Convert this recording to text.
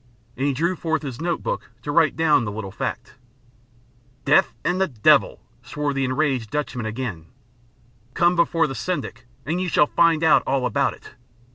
and he drew forth his note book to write down the little fact. "Death and the devil!" swore the enraged Dutchman again "come before the Syndic and you shall find out all about it!"